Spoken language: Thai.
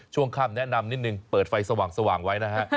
ช่วงข้ามแนะนำนิดหนึ่งเปิดไฟสว่างสว่างไว้นะฮะ